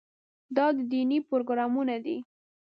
دا دیني پروګرامونه دي.